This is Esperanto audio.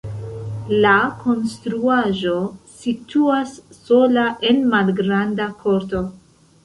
La konstruaĵo situas sola en malgranda korto.